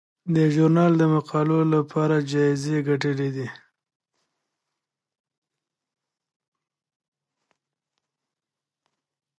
دې ژورنال د مقالو لپاره جایزې ګټلي دي.